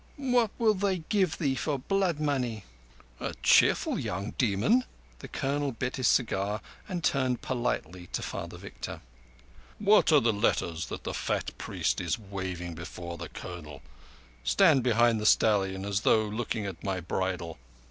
What will they give thee for blood money?" "A cheerful young demon!" The Colonel bit his cigar, and turned politely to Father Victor. "What are the letters that the fat priest is waving before the Colonel? Stand behind the stallion as though looking at my bridle!"